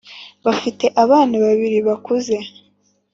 bafite abana babiri bakuze.